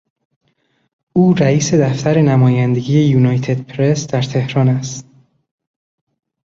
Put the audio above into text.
او رئیس دفتر نمایندگی یونایتدپرس در تهران است.